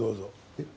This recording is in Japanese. えっ？